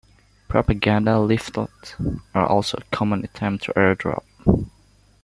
Propaganda leaflets are also a common item to airdrop.